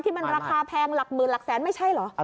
มันราคาแพงหลักหมื่นหลักแสนไม่ใช่เหรอ